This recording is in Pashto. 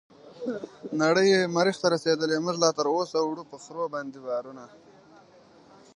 نړۍ مريح ته رسيدلې موږ لا تراوسه وړو په خرو باندې بارونه